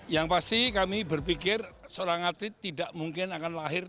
yang pasti kami berpikir seorang atlet tidak mungkin akan lahir